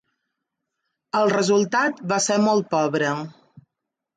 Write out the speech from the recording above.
El resultat va ser molt pobre.